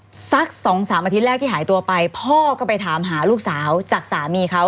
สักสองสามอาทิตย์แรกที่หายตัวไปพ่อก็ไปถามหาลูกสาวจากสามีเขา